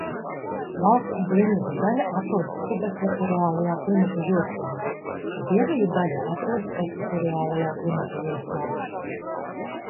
Valsts dienvidu daļa atrodas subekvatoriālajā klimata joslā, taču ziemeļu daļa atrodas ekvatoriālajā klimata joslā.